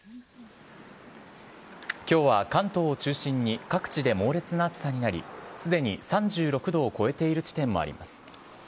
きょうは関東を中心に各地で猛烈な暑さになり、すでに３６度を超えている地点もあります。